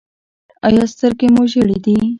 ایا سترګې مو ژیړې دي؟